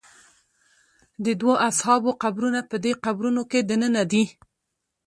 د دوو اصحابو قبرونه په دې قبرونو کې دننه دي.